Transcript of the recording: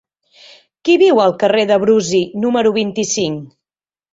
Qui viu al carrer de Brusi número vint-i-cinc?